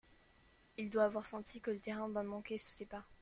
Il doit avoir senti que le terrain va manquer sous ses pas.